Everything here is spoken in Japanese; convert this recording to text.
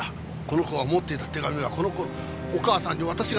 この子が持っていた手紙はこの子のお母さんに私が出した手紙だ。